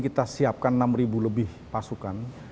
kita siapkan enam lebih pasukan